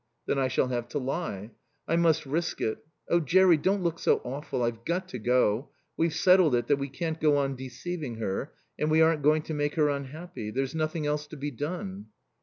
"Then I shall have to lie. I must risk it.... Oh Jerry, don't look so awful! I've got to go. We've settled it that we can't go on deceiving her, and we aren't going to make her unhappy. There's nothing else to be done."